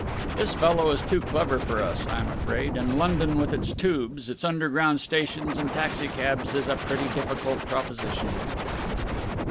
"This fellow is too clever for us, I am afraid, and London with its tubes, its underground stations and taxi cabs is a pretty difficult proposition."